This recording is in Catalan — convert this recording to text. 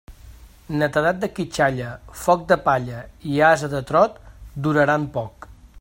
Netedat de quitxalla, foc de palla i ase de trot duraran poc.